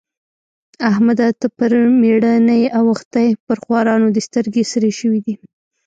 احمده! ته پر مېړه نه يې اوښتی؛ پر خوارانو دې سترګې سرې شوې دي.